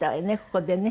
ここでね。